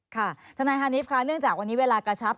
ค่ะทนายฮานิฟค่ะเนื่องจากวันนี้เวลากระชับ